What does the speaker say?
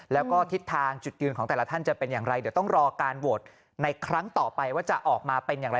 แล้วก็ทิศทางจุดยืนของแต่ละท่านจะเป็นอย่างไรเดี๋ยวต้องรอการโหวตในครั้งต่อไปว่าจะออกมาเป็นอย่างไร